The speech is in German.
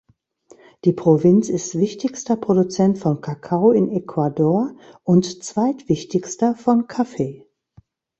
Die Provinz ist wichtigster Produzent von Kakao in Ecuador und zweitwichtigster von Kaffee.